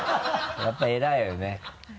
やっぱり偉いよね。